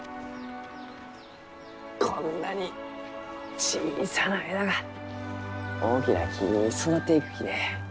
こんなに小さな枝が大きな木に育っていくきね。